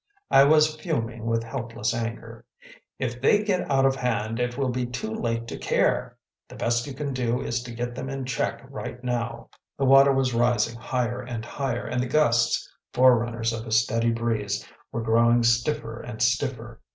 I was fuming with helpless anger. “If they get out of hand, it will be too late to care. The best thing you can do is to get them in check right now.‚ÄĚ The water was rising higher and higher, and the gusts, forerunners of a steady breeze, were growing stiffer and stiffer.